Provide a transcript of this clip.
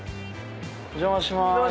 お邪魔します。